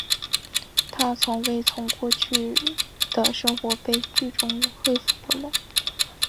她从未从过去的生活悲剧中恢复过来。